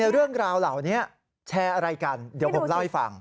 เรื่องราวเหล่านี้แชร์อะไรกันเดี๋ยวผมเล่าให้ฟัง